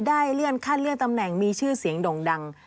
ได้เลื่อนขั้นเลื่อนตำแหน่งมีชื่อเสียงด่งดัง